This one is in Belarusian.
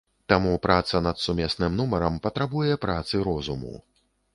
Таму праца над сумесным нумарам патрабуе працы розуму.